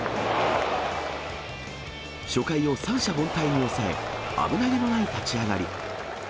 初回を三者凡退に抑え、危なげのない立ち上がり。